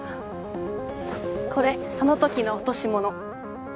これそのときの落とし物。